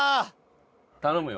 頼むよ。